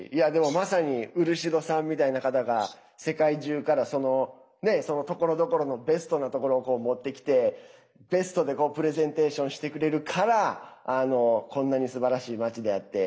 まさに漆戸さんみたいな方が世界中から、ところどころのベストなところを持ってきてベストでプレゼンテーションしてくれるからこんなに、すばらしい街であって。